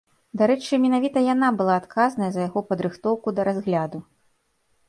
Дарэчы, менавіта яна была адказная за яго падрыхтоўку да разгляду.